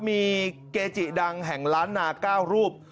มีเกจิดังแห่งล้านนา๙รูป